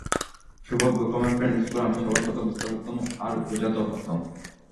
সৌভাগ্যক্রমে, French স্কুলে আমি সবার কথা বুঝতে পারতাম, আর বুঝাতেও পারতাম।